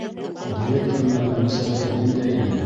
Директор менән мөнәсәбәтең ниндәй ине?